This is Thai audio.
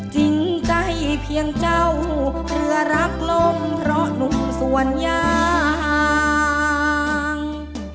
จริงใจเพียงเจ้าเรือรักลมเพราะหนุ่มส่วนยาง